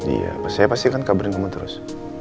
iya saya pastikan kabarin kamu terus